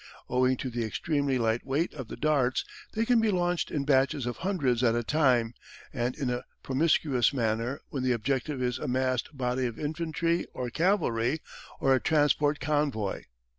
Owing to the extremely light weight of the darts they can be launched in batches of hundreds at a time, and in a promiscuous manner when the objective is a massed body of infantry or cavalry, or a transport convoy.